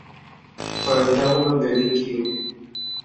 পরেরটা হল বেবিকিউ।